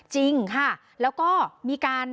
จริงค่ะแล้วก็มีการ